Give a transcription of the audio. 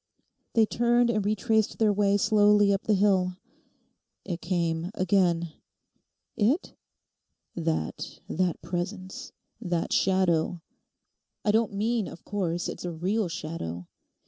They turned and retraced their way slowly up the hill. 'It came again.' 'It?' 'That—that presence, that shadow. I don't mean, of course, it's a real shadow.